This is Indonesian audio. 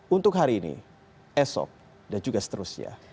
untuk hari ini esok dan juga seterusnya